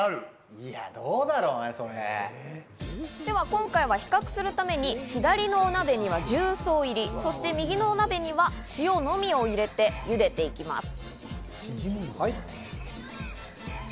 今回は比較するために、左のお鍋には重曹入り、右のお鍋には塩のみを入れてゆでていきます。